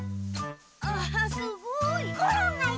あすごい！